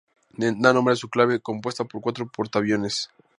Da nombre a su clase, compuesta por cuatro portaaviones.